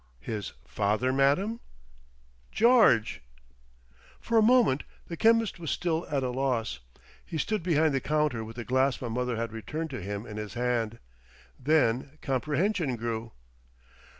"His father, madam?" "George." For a moment the chemist was still at a loss. He stood behind the counter with the glass my mother had returned to him in his hand. Then comprehension grew.